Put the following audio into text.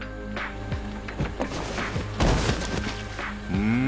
うん？